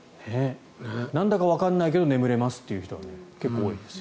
なんだかわからないけど眠れますという人が結構多いです。